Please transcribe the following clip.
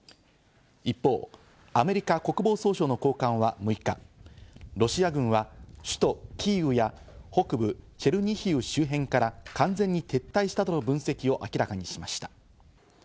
一方、アメリカ国防総省の高官は６日、ロシア軍は首都キーウや北部チェルニヒウ周辺から完全に撤退したとの分析を明らかにしました。